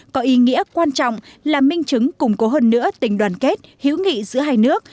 có ý nghĩa quan trọng là minh chứng củng cố hơn nữa tình đoàn kết hữu nghị giữa hai nước